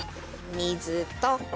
水と。